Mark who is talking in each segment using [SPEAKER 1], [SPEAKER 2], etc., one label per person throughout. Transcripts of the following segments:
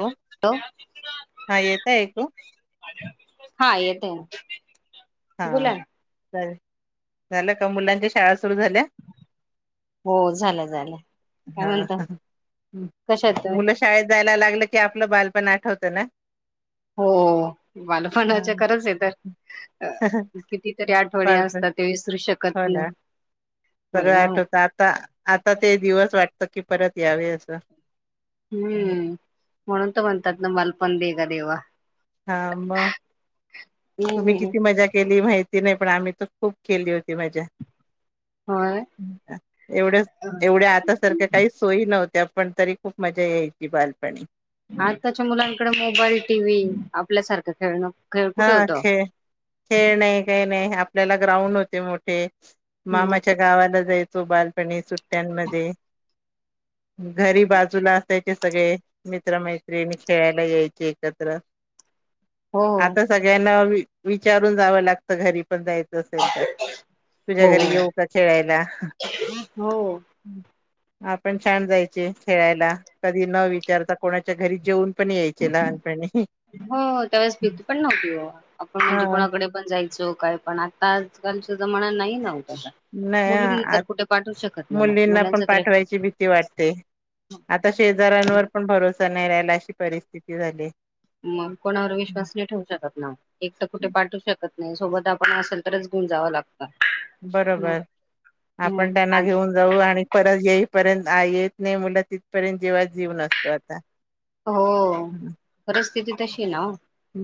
[SPEAKER 1] हो
[SPEAKER 2] हॅलो
[SPEAKER 1] हा येत आहे ऐकू
[SPEAKER 2] हा येतंय
[SPEAKER 1] हा झालं का मुलांच्या शाळा सुरू झाल्या?
[SPEAKER 2] हो झालं झालं काय म्हणत?
[SPEAKER 1] हा
[SPEAKER 2] कशात आहेत तुम्ही?
[SPEAKER 1] मुलं शाळेत जायला लागलं की आपलं बालपण आठवतं ना.
[SPEAKER 2] हो
[SPEAKER 1] हा
[SPEAKER 2] बालपणाच्या खरच आहे तर कितीतरी आठवणी
[SPEAKER 1] बालपण
[SPEAKER 2] असतात. ते विसरू शकत
[SPEAKER 1] हो
[SPEAKER 2] नाही.
[SPEAKER 1] ना सगळं
[SPEAKER 2] हम्म
[SPEAKER 1] आठवत आता आता ते दिवस वाटत कि परत यावे असं.
[SPEAKER 2] हं म्हणून तर म्हणतात ना बालपण देगा देवा
[SPEAKER 1] हा, मग, तुम्ही किती मजा केली माहितीऽ ती नाही, पण आम्ही तर खूप केली होती मज्जा
[SPEAKER 2] होय
[SPEAKER 1] एवढ्या, एवढ्या आता सारख्याऽ काही सोयी नव्हत्या, आपण तरी, खूप मजा यायची बालपणी.
[SPEAKER 2] आत्ताच्या मुलांकडे मोबाईल, टीव्ही आपल्यासारखं खेळणं, खेळ कुठे
[SPEAKER 1] हा
[SPEAKER 2] होतं
[SPEAKER 1] खेळ खेळ नाही काही नाही आपल्याला ग्राउंड होते मोठे
[SPEAKER 2] हो
[SPEAKER 1] मामाच्या गावाला जायचो बालपणी सुट्ट्यांमध्ये घरी बाजूला असायचे सगळे मित्रमैत्रिणी खेळायला यायची एकत्र
[SPEAKER 2] हो
[SPEAKER 1] आता सगळ्यांना विचारून जावं लागतं. घरी पण जायचं असेल, तर तुझ्या
[SPEAKER 2] हो
[SPEAKER 1] घरी येऊ का खेळायला?
[SPEAKER 2] हो,
[SPEAKER 1] आपण छान जायची,, खेळायला. कधी न विचारता कोणाच्या घरी जेऊन पण यायचे,, लहानपणी.
[SPEAKER 2] हो, त्यावेेळेस भीती पण नव्हती ओ आपण
[SPEAKER 1] हा
[SPEAKER 2] म्हणजे कोणाकडे पण जायचो काय पण आता आजकालच्या जमणा नाही ना होत आता.
[SPEAKER 1] नाही आता
[SPEAKER 2] ना
[SPEAKER 1] मुलींना पण
[SPEAKER 2] मुलांचा तर
[SPEAKER 1] पाठवायची भीती वाटते. आता शेजऱ्यांवर पण भरोसा नाही राहायला, अशी परिस्थिती झालीय.
[SPEAKER 2] मग कोणावर विश्वास नाही ठेवू शकत ना. एकट कुठ पाठवु शकत नाही, सोबत आपण असेल तरच घेऊन जाव लाग
[SPEAKER 1] बरोबर
[SPEAKER 2] हम्म
[SPEAKER 1] आपण
[SPEAKER 2] आ
[SPEAKER 1] त्यांना घेऊन जाऊ आणि परत येईपर्यंत येत नाही मुलं तिथपर्यंत जिवात जीव नसतो आता.
[SPEAKER 2] हो परस्थिती तशी ना ओ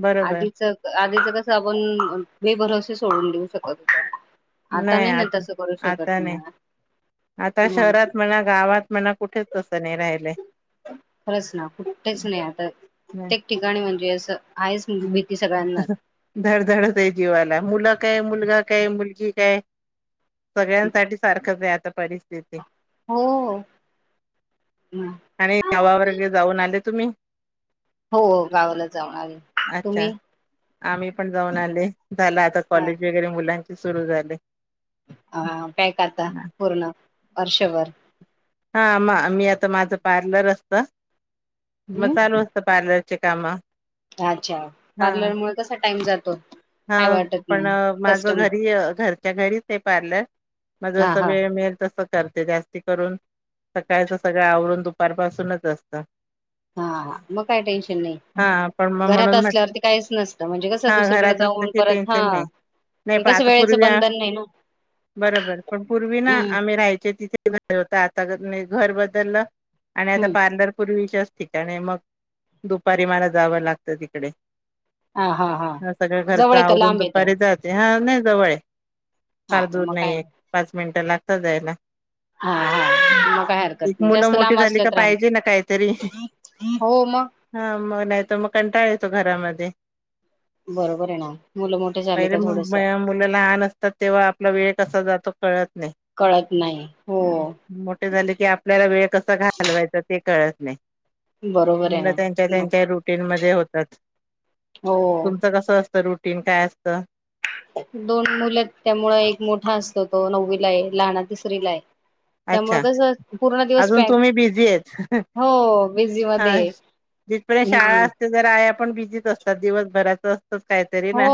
[SPEAKER 1] बरोबर
[SPEAKER 2] आधीच आधीच कसं आपण बेभरोसे सोडून देऊ शकत होतो. आता नाही ना तसं करू शकत
[SPEAKER 1] आता
[SPEAKER 2] मग
[SPEAKER 1] शहरात म्हणा गावात म्हणा कुठच तसं नाही राहिलंय.
[SPEAKER 2] तेच नाही आता, प्रत्येक ठिकाणी म्हणजे असं आहेच भीती सगळ्यांनाच
[SPEAKER 1] धडधड होतंय जीवाला मुलं काय मुलगा काय मुलगी काय सगळ्यांसाठी सारखंच आहे आता परिस्थिती.
[SPEAKER 2] हो
[SPEAKER 1] आणि गावा वर्गे जाऊन आले तुम्ही?
[SPEAKER 2] हो, गावाला जाऊन आले.
[SPEAKER 1] अच्छा,
[SPEAKER 2] तुम्ही
[SPEAKER 1] आम्ही पण जाऊन आलय, झाला आता
[SPEAKER 2] हा
[SPEAKER 1] कॉलेज वगैरे मुलां सुरू झाले.
[SPEAKER 2] हा, काय करता पूर्ण वर्षभर?
[SPEAKER 1] हा, म मी आता माझं पार्लर असत, मग
[SPEAKER 2] हम्
[SPEAKER 1] चालू पार्लरचे काम
[SPEAKER 2] अच्छा,
[SPEAKER 1] हा
[SPEAKER 2] पार्लर मुळ कसा टाइम जातो?
[SPEAKER 1] हा,
[SPEAKER 2] काय वाटत
[SPEAKER 1] पण
[SPEAKER 2] नाही
[SPEAKER 1] माझं
[SPEAKER 2] कस्टम
[SPEAKER 1] घरी घरच्या घरीच आहे पार्लर. माझं
[SPEAKER 2] हा
[SPEAKER 1] असं
[SPEAKER 2] हा
[SPEAKER 1] वेळ मिळेल तस करते जास्ती करून, सकाळच सगळं आवरून दुपार पाासूनच असतं.
[SPEAKER 2] हा, मग काय टेन्शन नाही.
[SPEAKER 1] हा पण मग
[SPEAKER 2] घरात
[SPEAKER 1] म्हणून म्हटलं
[SPEAKER 2] असल्यावरती काहीच नसतं, म्हणजे कसं
[SPEAKER 1] हा
[SPEAKER 2] दुसरीकडे
[SPEAKER 1] घरात असलं
[SPEAKER 2] जाऊन
[SPEAKER 1] की
[SPEAKER 2] परत हा,
[SPEAKER 1] टेन्शन नाही नाही पण
[SPEAKER 2] कसं
[SPEAKER 1] आता
[SPEAKER 2] वेळेचं
[SPEAKER 1] पूर्वी
[SPEAKER 2] बंधन नाही ना?
[SPEAKER 1] बरोबर पण पूर्वी ना आम्ही राहायचे तिथे घर होत, आता मी घर बदललं, आणि आता
[SPEAKER 2] हम्म
[SPEAKER 1] पार्लर पूर्वीच्या असती. त्याने मग, दुपारी मला जावं लागतं तिकडे.
[SPEAKER 2] हा, हा, हा जवळ का
[SPEAKER 1] आवरुन
[SPEAKER 2] लांब येते
[SPEAKER 1] दुपारी जाते, हा नाही जवळअय
[SPEAKER 2] हा
[SPEAKER 1] फार दूर
[SPEAKER 2] मग काय
[SPEAKER 1] नाही. पाच मिनिटं लागतात जायला.
[SPEAKER 2] हा हा मग काही हरकत
[SPEAKER 1] एक
[SPEAKER 2] नाही,
[SPEAKER 1] मुलं
[SPEAKER 2] जास्त
[SPEAKER 1] मोठी
[SPEAKER 2] लांब
[SPEAKER 1] झाली का
[SPEAKER 2] असलात
[SPEAKER 1] पाहिजे ना
[SPEAKER 2] राहिलं, हो मग?
[SPEAKER 1] ह.. म नाहीत म कंटाळा येतो घरामध्ये...
[SPEAKER 2] बरोबर आहे ना. मुलं म
[SPEAKER 1] पहिले मुलं लहान असतात तेव्हा आपला वेळ कसा जातो कळत नाही
[SPEAKER 2] कळत नाही, हो
[SPEAKER 1] मोठे झाले की आपल्याला वेळ कसा घालवायचा ते कळत नाही.
[SPEAKER 2] बरोबर
[SPEAKER 1] मुलं
[SPEAKER 2] आहे
[SPEAKER 1] त्यांच्या
[SPEAKER 2] ना
[SPEAKER 1] त्यांच्या रुटीन मधे होतात,
[SPEAKER 2] हो
[SPEAKER 1] तुमचं कस असत रुट? टिन काय असतं?
[SPEAKER 2] दोन मुलंत त्यामुळ एक मोठा असतो तो नववीला आहे लहान तिसरी ला आहे. त्यामुळं
[SPEAKER 1] अच्छा
[SPEAKER 2] कसं पूर्ण दिवस
[SPEAKER 1] अजून
[SPEAKER 2] पॅक,
[SPEAKER 1] तुम्ही बिझी आहेत
[SPEAKER 2] हो
[SPEAKER 1] हा
[SPEAKER 2] बिझीमध्ये.
[SPEAKER 1] जिथपर्यंत शाळा असते जरा आया पण बिझीच असतात दिवसभराचं. मग काय तर.
[SPEAKER 2] हो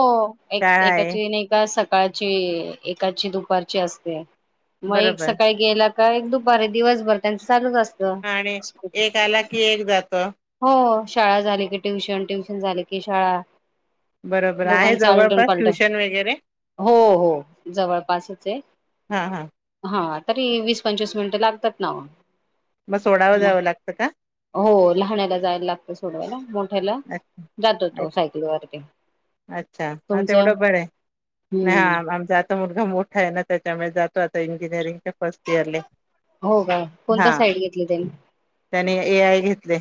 [SPEAKER 2] एक एकाची नाही ये का सकाळची एकाची दुपारची असते, मग एक
[SPEAKER 1] बरोबर
[SPEAKER 2] सकाळी गेला काय दुपारी दिवसभर त्यांच चालूच असतं.
[SPEAKER 1] आणि एक आला की एक जातो.
[SPEAKER 2] हो शाळा झाली की ट्युशन, ट्युशन झाली की शाळा.
[SPEAKER 1] बरोबर आहे
[SPEAKER 2] दोघांच आलटून
[SPEAKER 1] जवळपास
[SPEAKER 2] पालटून.
[SPEAKER 1] ट्युशन वगैरे
[SPEAKER 2] हो हो जवळपासच ये.
[SPEAKER 1] हा हा.
[SPEAKER 2] हा तरी वीस, पंचवीस मिनिटं लागतात ना ओ
[SPEAKER 1] मग सोडाव जावं लागतं का?
[SPEAKER 2] हो लहाण्याला जायला लागतं सोडवायला मोठ्याला
[SPEAKER 1] अच्छा
[SPEAKER 2] जातो तो सायकल वरती.
[SPEAKER 1] अच्छा हा तेवढं बरंय नाय हा
[SPEAKER 2] हम्म
[SPEAKER 1] आमचा मुलगा मोठा आहे ना त्याच्यामुळे जातो आता इंजिनिअरिंगच्या फर्स्ट इयरले.
[SPEAKER 2] हो का कोणता
[SPEAKER 1] हा
[SPEAKER 2] साईड घेतलं त्यानी?
[SPEAKER 1] त्याने ए आय घेतलंय.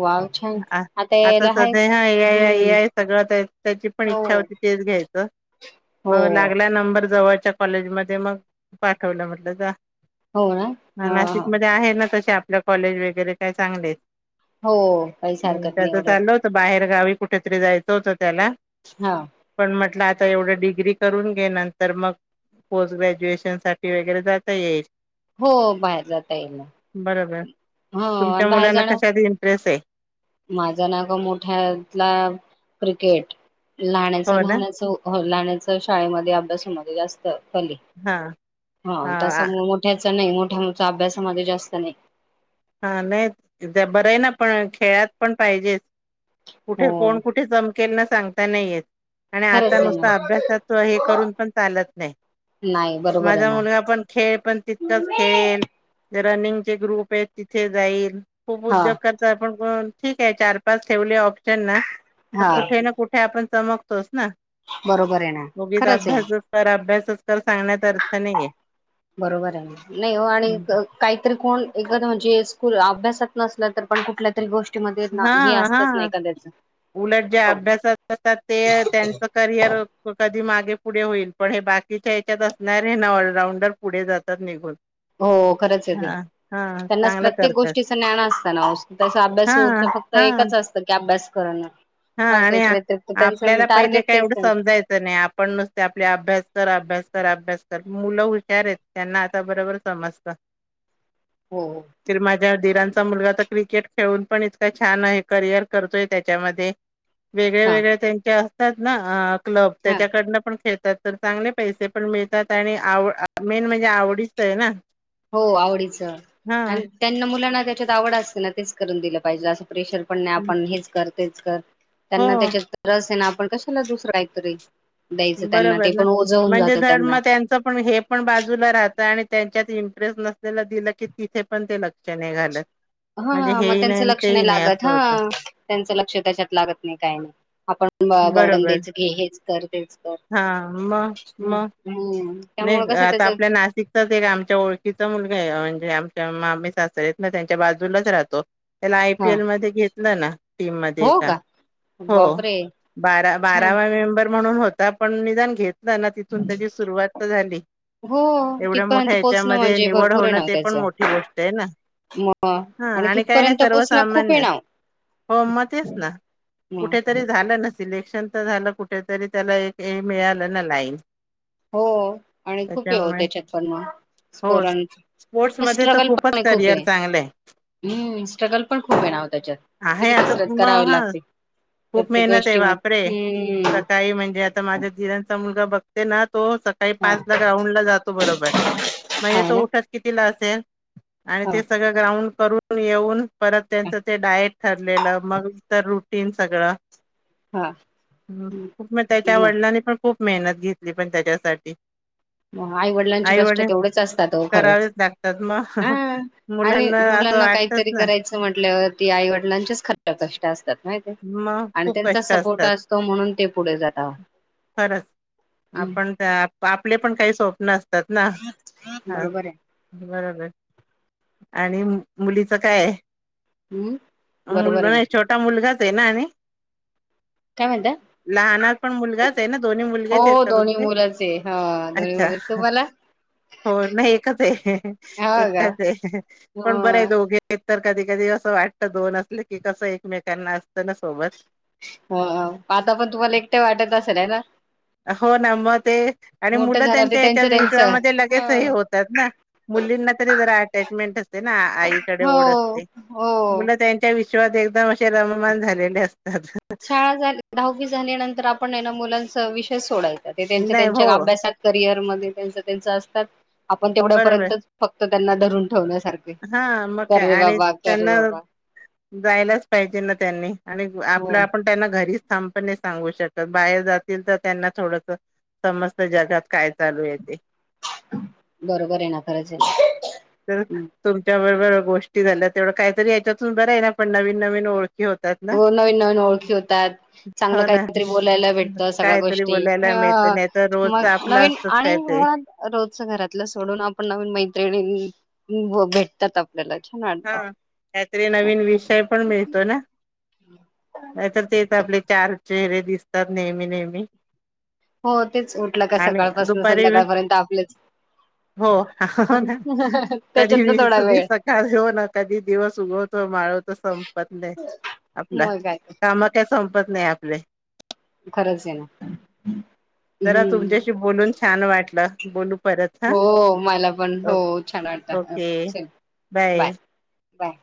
[SPEAKER 2] वाव छान
[SPEAKER 1] अ आता
[SPEAKER 2] यायला
[SPEAKER 1] सध्या
[SPEAKER 2] आहेच
[SPEAKER 1] ह्या ए आय ए
[SPEAKER 2] हम्म
[SPEAKER 1] आय सगळं ते त्याची पण
[SPEAKER 2] हो
[SPEAKER 1] इच्छा होती तेच घ्यायचं
[SPEAKER 2] हो
[SPEAKER 1] मग लागला त्या नंबर जवळच्या कॉलेजमध्ये मग पाठवला म्हटलं जा
[SPEAKER 2] हो ना ह
[SPEAKER 1] हं
[SPEAKER 2] ह
[SPEAKER 1] नाशिक मध्यें आहे नां तसे आपल्यां कॉलेज वगैरें कायं चांगले
[SPEAKER 2] हो काहीच हरकत नाही
[SPEAKER 1] त्याचं
[SPEAKER 2] उलट
[SPEAKER 1] चाललं होतं बाहेर गावी कुठेतरी जायचं होतं त्याला.
[SPEAKER 2] हा
[SPEAKER 1] पण म्हटलं आता एवढं डिग्री करून घे नंतर मग पोस्ट ग्रॅज्युएशन साठी वेगेरे जाता येईल.
[SPEAKER 2] हो बाहेर जाता येईल ना.
[SPEAKER 1] बरोबर
[SPEAKER 2] हां
[SPEAKER 1] तुमच्या
[SPEAKER 2] आणि बाहेर
[SPEAKER 1] मुलांना
[SPEAKER 2] जाणं
[SPEAKER 1] कशात इंटरेस्ट आहे
[SPEAKER 2] माझा ना ग मोठ्यातला क्रिकेट. लहाण्याचं
[SPEAKER 1] हो ना
[SPEAKER 2] लहाण्याचं होण्याचं शाळेमध्यें अभ्यासामध्यें जास्तं केली
[SPEAKER 1] हा
[SPEAKER 2] हां
[SPEAKER 1] हा
[SPEAKER 2] त्यांसम मोठ त्याच नाही मोठ्याचं अभ्यासामध्ये जास्त नाही.
[SPEAKER 1] हा नाही बरं आहे ना पण, खेळात पण पाहिजेच. कुठे
[SPEAKER 2] हो
[SPEAKER 1] कोण कुठे? चमकेल ना सांगता नाही येत. आणि आता
[SPEAKER 2] खरंच आहे
[SPEAKER 1] नुसता
[SPEAKER 2] ना
[SPEAKER 1] अभ्यासाच हे करून पण चालत नाही.
[SPEAKER 2] नाही बरोबर आहे
[SPEAKER 1] माझा
[SPEAKER 2] ना
[SPEAKER 1] मुलगा पण खेळ पण तितच खेळेल. रनिंगचे ग्रुप आहेत तिथे जाईल. खूप
[SPEAKER 2] हा
[SPEAKER 1] उद्योग करतात आपण ठीक आहे चार पाच ठेवले ऑप्शन ना तर
[SPEAKER 2] हा
[SPEAKER 1] कुठे ना कुठे आपण चमकतोच ना...
[SPEAKER 2] बरोबर आहे ना
[SPEAKER 1] उगीच
[SPEAKER 2] खरंच आहे
[SPEAKER 1] अभ्यास....... तर अभ्यासच कर सांगण्यातअर्थ नाहीये..
[SPEAKER 2] बरोबर आहे नाही ओ आणि
[SPEAKER 1] हम्म.
[SPEAKER 2] क काहीतरी कोण एखादं म्हणजे स्कूल अभ्यासात नसलं तर पण कुठल्या री गोष्टीमध्ये
[SPEAKER 1] हा
[SPEAKER 2] हे
[SPEAKER 1] हा,
[SPEAKER 2] असतच नाही एखाद्याच
[SPEAKER 1] उलट जे
[SPEAKER 2] हो
[SPEAKER 1] अभ्यासात असतात ते त्यांच करिअर कधी मागे पुढे होईल पण हे बाकीच्या हच्यात असणार हे ना ऑलराऊंडर पुढे जातात निघून.
[SPEAKER 2] हो खरंचयेते
[SPEAKER 1] हा हा
[SPEAKER 2] त्यांना
[SPEAKER 1] चांगलं
[SPEAKER 2] प्रत्येक
[SPEAKER 1] करतात
[SPEAKER 2] गोष्टी न्यांन असत ना त अभ्यास
[SPEAKER 1] हा
[SPEAKER 2] हो फक्त
[SPEAKER 1] हा.
[SPEAKER 2] एकच असतं की अभ्यास करण.
[SPEAKER 1] हा. आणि आपल्याला पहिले काय
[SPEAKER 2] तेच
[SPEAKER 1] एवढं
[SPEAKER 2] त्यांच
[SPEAKER 1] समजायचं नाही. आपण ते आपल्या अभ्यास कर, अभ्यास कर, अभ्यास कर.. मुलं हुशार आहेत त्यांना आता बरोबर समजतं.... [inaudible]
[SPEAKER 2] हम्म.
[SPEAKER 1] फिर माझ्या दीरांचा मुलगा तर क्रिकेट खेळून पण इतका छान आहे. करियर करतोय त्याच्यामध्ये. वेगळे
[SPEAKER 2] हा
[SPEAKER 1] वेगळे त्यांचे असतात ना क्लब
[SPEAKER 2] हा
[SPEAKER 1] त्याच्याकडनं पण खेळतात. तर चांगले पैसे पण मिळतात आणि आव मेन म्हणजे आवडीच आहे ना?
[SPEAKER 2] हो आवडीचं
[SPEAKER 1] हा
[SPEAKER 2] आणि त्यांना मुलांना त्याच्यात आवड असते ना तेच करून दिलं पाहिजे असं. प्रेशर पण नाई आपण हेच कर तेच कर त्यांना
[SPEAKER 1] हो
[SPEAKER 2] त्याच्या रस आहे ना पण कशाला दुसर कायतरी
[SPEAKER 1] बरोबर ना म्हणजे ड
[SPEAKER 2] त्यांना
[SPEAKER 1] मग त्यांचं पण हे पण बाजूला राहत आणि त्यांच्यात इंटरेस्ट नसलेला दिलं की तिथे पण ते लक्ष नाही घालत म्हणजे
[SPEAKER 2] हा मग
[SPEAKER 1] हेही
[SPEAKER 2] त्यांच
[SPEAKER 1] आणि
[SPEAKER 2] लक्ष
[SPEAKER 1] तेही
[SPEAKER 2] नाही लागत
[SPEAKER 1] असं
[SPEAKER 2] हा
[SPEAKER 1] होतं
[SPEAKER 2] त्यांचं लक्ष त्याच्यात लागत नाही काही नाही आपण बा बर्डन
[SPEAKER 1] बरोबर
[SPEAKER 2] तेच घे हेच तर तेच तर
[SPEAKER 1] हा मग मग नाही आता आपल्या नाशिक एक आमच्या ओळखीचा मुलग आहे म्हणजे आमच्या मामी सासरेत ना त्यांच्या बाजूलाच राहतो त्याला आयपी
[SPEAKER 2] हा
[SPEAKER 1] एल मध्ये घेतलं ना टीम म का हो
[SPEAKER 2] बापरे
[SPEAKER 1] बारा
[SPEAKER 2] छान
[SPEAKER 1] बारावा मेंबर म्हणून होत आ आपण निदान घेतलं ना तिथून त्याची सुरुवात झाली
[SPEAKER 2] हो
[SPEAKER 1] एवढ्या
[SPEAKER 2] तिथपर्यंत
[SPEAKER 1] मोठ्या
[SPEAKER 2] पोहोचणं
[SPEAKER 1] हच्यामध्ये
[SPEAKER 2] म्हणजे
[SPEAKER 1] निवड
[SPEAKER 2] भरपूर आहे
[SPEAKER 1] होणं
[SPEAKER 2] नाव
[SPEAKER 1] ते पण
[SPEAKER 2] त्याचं
[SPEAKER 1] मोठी गोष्ट आहे ना
[SPEAKER 2] मग
[SPEAKER 1] हा आणि काय नाही
[SPEAKER 2] तिथपर्यंत
[SPEAKER 1] सर्व
[SPEAKER 2] पोचणं खूप आहे
[SPEAKER 1] सामान्य
[SPEAKER 2] नाव
[SPEAKER 1] हो म तेच ना कुठेतरी झालं नस सिलेक्शन तर झालं कुठेतरी त्याला एक मिळालं ना लाईन
[SPEAKER 2] हो आणि खूप ये हो
[SPEAKER 1] त्याच्यामुळे
[SPEAKER 2] त्याच्यात पण म
[SPEAKER 1] हो
[SPEAKER 2] ोर
[SPEAKER 1] स्पोर्ट्स मध्ये तर
[SPEAKER 2] स्ट्रगल
[SPEAKER 1] खूपच
[SPEAKER 2] पाणे खूप
[SPEAKER 1] करिअर
[SPEAKER 2] आहे
[SPEAKER 1] चांगलं
[SPEAKER 2] हम्म स्ट्रगल पण खूप आहे नाव त्याच्यात
[SPEAKER 1] आहे
[SPEAKER 2] किती
[SPEAKER 1] आता
[SPEAKER 2] कसरत
[SPEAKER 1] मग
[SPEAKER 2] करावी
[SPEAKER 1] हा
[SPEAKER 2] लागते
[SPEAKER 1] खूप
[SPEAKER 2] प्रत्येक
[SPEAKER 1] मेहनत आहे
[SPEAKER 2] गोष्टी म
[SPEAKER 1] वापरे
[SPEAKER 2] हम्म
[SPEAKER 1] सकाळी म्हणजे माझ्या जिर्यांचा मुलगा बघते ना तो काही
[SPEAKER 2] हा
[SPEAKER 1] पाच ला ग रााऊंड ला जातो बरोबर मग
[SPEAKER 2] हा
[SPEAKER 1] तो
[SPEAKER 2] ना
[SPEAKER 1] उठत किती ला असेल आणि
[SPEAKER 2] हा
[SPEAKER 1] ते सगळं ग्राउंड करून येऊन परत त्यांचं ते डायट ठरलेलं मग तर रुटीन सगळं
[SPEAKER 2] हा
[SPEAKER 1] ह खूप मग त्याच्या
[SPEAKER 2] नाही
[SPEAKER 1] वडिलांनी पण खूप मेहनत घेतली पण त्याच्यासाठी
[SPEAKER 2] आई
[SPEAKER 1] [inaudible]
[SPEAKER 2] वडिलांचे कष्ट
[SPEAKER 1] आईवडील
[SPEAKER 2] तेवढेच असतात हो खरंच
[SPEAKER 1] करावेच लागतात
[SPEAKER 2] हा
[SPEAKER 1] मग मुलांना असं वाट तेच ना
[SPEAKER 2] म्हट ती आईवडिलांचेच ख कष्ट असतात माहि
[SPEAKER 1] मग
[SPEAKER 2] आणि
[SPEAKER 1] खूप
[SPEAKER 2] त्यांचा
[SPEAKER 1] कष्ट
[SPEAKER 2] सपोर्ट
[SPEAKER 1] असतात
[SPEAKER 2] असतो म्हणून ते पुढे जाता
[SPEAKER 1] खरंच आपण आपले पण काही स्वप्न असतात ना
[SPEAKER 2] हम्म
[SPEAKER 1] ह
[SPEAKER 2] बरोबर आहे
[SPEAKER 1] बरोबर आणि मुलीच काय
[SPEAKER 2] हम्म
[SPEAKER 1] आहे
[SPEAKER 2] बरोबर
[SPEAKER 1] मुलग
[SPEAKER 2] आहे ना
[SPEAKER 1] नाही छोटा मुलगाच आहे ना आणि
[SPEAKER 2] काय म्हणत
[SPEAKER 1] लहणार पण मुलगाच आहे ना दोन्ही मुलगेच आहेत का
[SPEAKER 2] दोन्ही
[SPEAKER 1] तुमचे
[SPEAKER 2] मुलंच आहे हा दोन्ही
[SPEAKER 1] अच्छा
[SPEAKER 2] मुलं तुम्हाला
[SPEAKER 1] हो नाही एकच आहे
[SPEAKER 2] हो का
[SPEAKER 1] एकट्याच पण बरे आहे
[SPEAKER 2] ह
[SPEAKER 1] दोघे हे तर कधी कधी असं वाटत दोन असले की कसं एकमेकांना असतं ना सोबत
[SPEAKER 2] ह आता पण तुम्हाला एकट्या वाटत असेल आहे ना
[SPEAKER 1] हो ना मग ते आणि
[SPEAKER 2] मोठं
[SPEAKER 1] मुलं
[SPEAKER 2] झालं ते
[SPEAKER 1] त्यांच्या याच्यात
[SPEAKER 2] त्यांचं त्यांचं
[SPEAKER 1] विश्वामध्ये लगेचही
[SPEAKER 2] हं.
[SPEAKER 1] होतात ना मुलींना तरी जरा अटॅचमेंट असते ना आईकडे ओढ
[SPEAKER 2] हो
[SPEAKER 1] असते
[SPEAKER 2] हो
[SPEAKER 1] मुलं त्यां च्या विश्वात एकदम असे रममान झालेले असतात
[SPEAKER 2] शाळा धाववी झाल्यानंतर आपण ना मुलांचा विषय सोडायचा ते त्यांच्या
[SPEAKER 1] नाही हो
[SPEAKER 2] त्यांच्या अभ्यासात करिअर मध्ये त्यांच त्यांच असतात आपण
[SPEAKER 1] बरोबर
[SPEAKER 2] तेवढ्यापर्यंतच फक्त त्यांना धरून ठेवण्यासारखं
[SPEAKER 1] हा मगय आणि त्यांना
[SPEAKER 2] बाबा
[SPEAKER 1] जायलाच पाहिजे ना त्यांनी आणि आपल्या
[SPEAKER 2] हो
[SPEAKER 1] आपण त्यांना घरीच थांप नाही सांगू शकत बाहेर जातील तर त्यांना थोडस समस्त जगात काय चालू आहेेते
[SPEAKER 2] बरोबर आहे ना खरंच आहे ना
[SPEAKER 1] तर तुमच्या बरोबर गोष्टी झाल्या तेवढं काहीतरी याच्यातून बरं आहे ना पण नवीन नवीन ओळखी होत
[SPEAKER 2] हो नवीन नवीन ओळखी होतात चांगलं
[SPEAKER 1] हो ना
[SPEAKER 2] काहीतरी बोलायला भेटतं सगळ्या
[SPEAKER 1] काहीतरी
[SPEAKER 2] गोष्टी
[SPEAKER 1] बोलायला मिळतं नाही तर रोजच
[SPEAKER 2] मग
[SPEAKER 1] आपलं
[SPEAKER 2] नवीन
[SPEAKER 1] असतच
[SPEAKER 2] आणि
[SPEAKER 1] काहीतरी
[SPEAKER 2] म रोज घरातलं सोडून आपण नवीन मैत्रिणी भेटतात आप चछ
[SPEAKER 1] हा त्यातरी नवीन विषय पण मिळतो ना नाही तर तेच आपले चार चेहरे दिसतात नेहमी नेहमी
[SPEAKER 2] हो तेच उठलं का
[SPEAKER 1] आणि
[SPEAKER 2] सकाळपासून
[SPEAKER 1] दुपारी
[SPEAKER 2] संध्याकाळपर्यंत आपलंच
[SPEAKER 1] हो कधी
[SPEAKER 2] त्याच्यातन
[SPEAKER 1] मी
[SPEAKER 2] थोडा
[SPEAKER 1] तधी
[SPEAKER 2] वेळ
[SPEAKER 1] सकाळ घेऊन कधी दिवस उगवत माळवत संपत नाही आपला
[SPEAKER 2] मग काय
[SPEAKER 1] का का संपत नाही आपले
[SPEAKER 2] खरंच आहे ना
[SPEAKER 1] तररा
[SPEAKER 2] हम्म
[SPEAKER 1] तुमच्याशी बोलून छान वाटलं बोलू परत हा
[SPEAKER 2] हो मला पण हो
[SPEAKER 1] ओ-
[SPEAKER 2] छान वाटतं
[SPEAKER 1] ओके
[SPEAKER 2] चल बाय बाय